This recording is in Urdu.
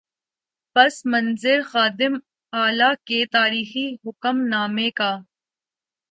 پس منظر خادم اعلی کے تاریخی حکم نامے کا۔